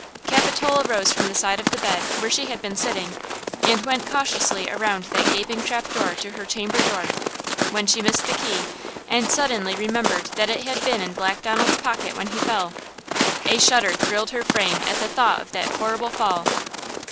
Capitola rose from the side of the bed, where she had been sitting, and went cautiously around that gaping trap door to her chamber door, when she missed the key, and suddenly remembered that it had been in Black Donald's pocket when he fell. A shudder thrilled her frame at the thought of that horrible fall.